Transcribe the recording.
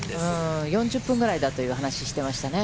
４０分ぐらいだという話をしていましたね。